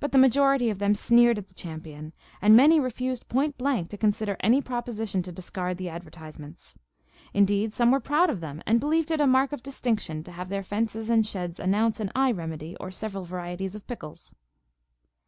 But the majority of them sneered at the champion, and many refused point blank to consider any proposition to discard the advertisements. Indeed, some were proud of them, and believed it a mark of distinction to have their fences and sheds announce an eye remedy or several varieties of pickles.